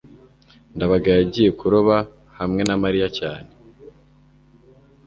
ndabaga yagiye kuroba hamwe na mariya cyane